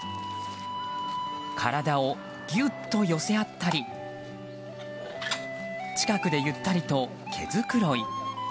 体をぎゅっと寄せ合ったり近くでゆったりと毛づくろい。